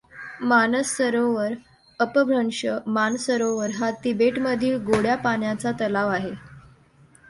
मानस सरोवर अपभ्रंश मान सरोवर हा तिबेट मधील गोड्या पाण्याचा तलाव आहे.